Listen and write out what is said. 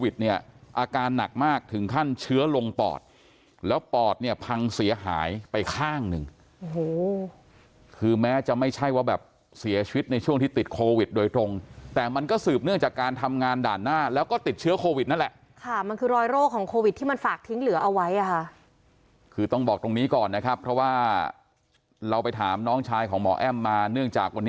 อาการหนักมากถึงขั้นเชื้อลงปอดแล้วปอดเนี่ยพังเสียหายไปข้างหนึ่งโอ้โหคือแม้จะไม่ใช่ว่าแบบเสียชีวิตในช่วงที่ติดโควิดโดยตรงแต่มันก็สืบเนื่องจากการทำงานด่านหน้าแล้วก็ติดเชื้อโควิดนั่นแหละค่ะมันคือรอยโรคของโควิดที่มันฝากทิ้งเหลือเอาไว้อ่ะค่ะคือต้องบอกตรงนี้ก่อนนะครับเพราะว่าเราไปถามน้องชายของหมอแอ้มมาเนื่องจากวันนี้